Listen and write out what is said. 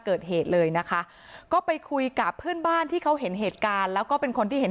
เกิดเหตุเลยนะคะก็ไปคุยกับเพื่อนบ้านที่เขาเห็นเหตุการณ์แล้วก็เป็นคนที่เห็น